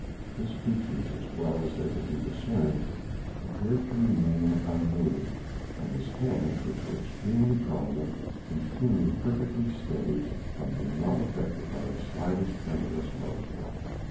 His features, as well as they could be discerned, appeared to remain unmoved, and his hands, which were extremely prominent, continued perfectly steady, and were not affected by the slightest tremulous motion.